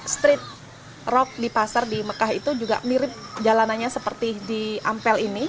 street rock di pasar di mekah itu juga mirip jalanannya seperti di ampel ini